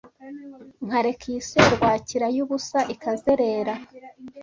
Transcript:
nkareka iyi serwakira yubusa ikazerera